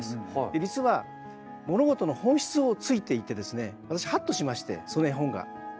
実は物事の本質をついていて私ハッとしましてその絵本が。